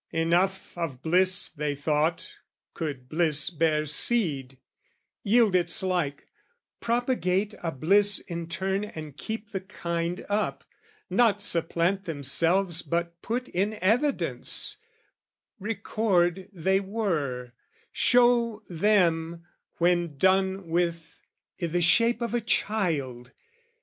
Enough of bliss, they thought, could bliss bear seed, Yield its like, propagate a bliss in turn And keep the kind up; not supplant themselves But put in evidence, record they were, Show them, when done with, i' the shape of a child.